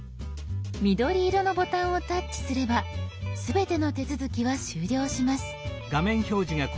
緑色のボタンをタッチすれば全ての手続きは終了します。